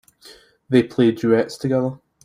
They play duets together.